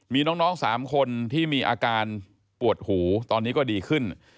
มีน้อง๓คนที่มีอาการปวดหูตอนนี้ก็ดีขึ้น